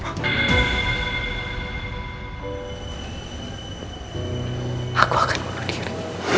aku akan bunuh diri